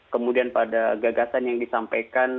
kemudian pada gagasan yang disampaikan